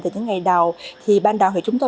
từ những ngày đầu thì ban đầu thì chúng tôi